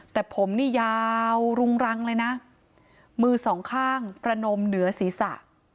แต่ผมนี่ยาวรุงรังเลยนะมือสองข้างกระนมเหนือศีรษะ